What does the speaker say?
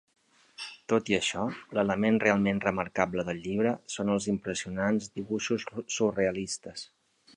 Tot i això, l'element realment remarcable del llibre són els impressionants dibuixos surrealistes.